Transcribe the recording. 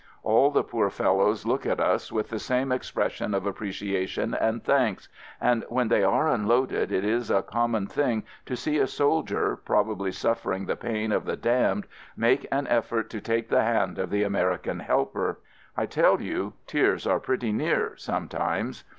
All the poor fellows look at us with the same ex pression of appreciation and thanks; and when they are unloaded it is a common thing to see a soldier, probably suffering the pain of the damned, make an effort to take the hand of the American helper. I tell you tears are pretty near sometimes.